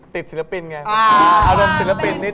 ที่จะกลับมาหาอีกสามปี